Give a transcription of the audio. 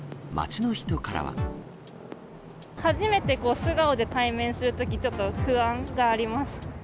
初めて素顔で対面するとき、ちょっと不安があります。